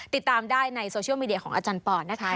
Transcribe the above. ติดตามได้ในโซเชียลมีเดียของอาจารย์ปอนนะคะ